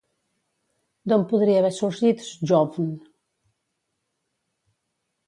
D'on podria haver sorgit Sjöfn?